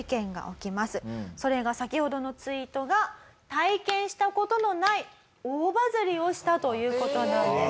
それが先ほどのツイートが体験した事のない大バズりをしたという事なんです。